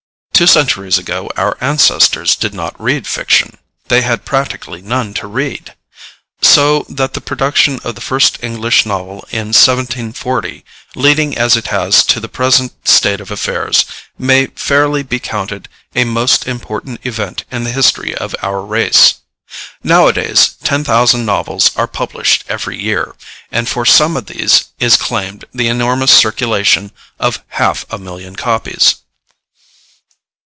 Two centuries ago our ancestors did not read fiction: they had practically none to read. So that the production of the first English novel in 1740, leading as it has to the present state of affairs, may fairly be counted a most important event in the history of our race. Nowadays ten thousand novels are published every year, and for some of these is claimed the enormous circulation of half a million copies.